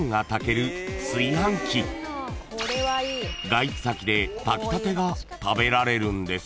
［外出先で炊きたてが食べられるんです］